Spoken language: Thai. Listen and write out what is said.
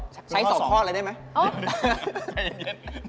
ใช้๒ข้อเลยได้ไหม